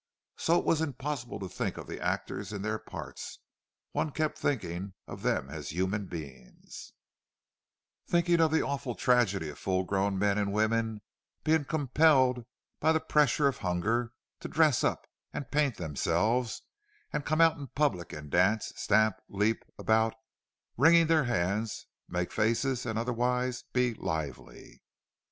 So it was impossible to think of the actors in their parts; one kept thinking of them as human beings—thinking of the awful tragedy of full grown men and women being compelled by the pressure of hunger to dress up and paint themselves, and then come out in public and dance, stamp, leap about, wring their hands, make faces, and otherwise be "lively."